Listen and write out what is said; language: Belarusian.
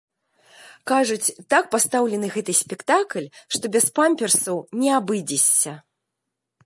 Кажуць, так пастаўлены гэты спектакль, што без памперсаў не абыдзешся!